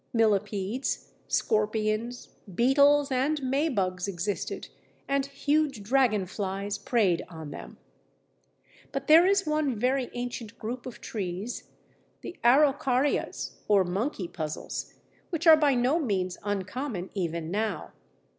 Millipedes, scorpions, beetles and maybugs existed, and huge dragonflies preyed on them. But there is one very ancient group of trees, the Araucarias or Monkey puzzles, which are by no means uncommon even now.